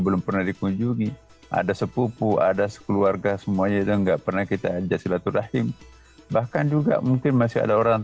keluarga semuanya juga enggak pernah kita ajak silaturahim bahkan juga mungkin masih ada orang